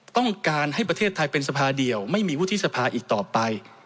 ต้องการให้ประเทศไทยเป็นสภาเดียวไม่มีวุฒิสภาอีกต่อไป